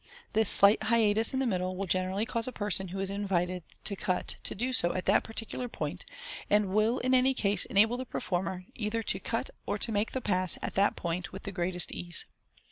This slight hiatus in the middle will generally cause a person who is invited to cut to do so at that par ticular point, and will in any case enable the performer either to cut or to make the pass at that point with the greatest ease.